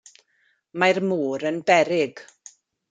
Mae'r môr yn beryg.